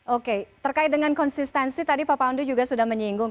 oke terkait dengan konsistensi tadi pak pandu juga sudah menyinggung